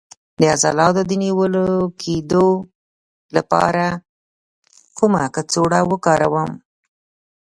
د عضلاتو د نیول کیدو لپاره کومه کڅوړه وکاروم؟